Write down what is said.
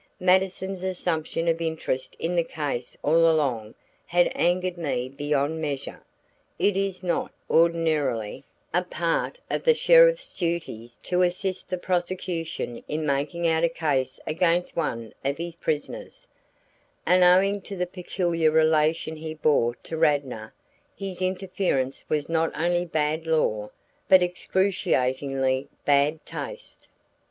Mattison's assumption of interest in the case all along had angered me beyond measure. It is not, ordinarily, a part of the sheriff's duties to assist the prosecution in making out a case against one of his prisoners; and owing to the peculiar relation he bore to Radnor, his interference was not only bad law but excruciatingly bad taste.